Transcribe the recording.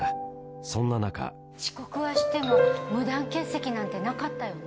そんな中遅刻はしても無断欠席なんてなかったよね。